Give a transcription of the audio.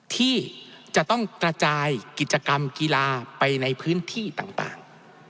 ที่จะต้องกระจายกิจกรรมกีฬาไปในพื้นที่ต่าง